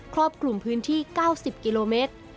รอบคลุมพื้นที่๙๐กิโลเมตร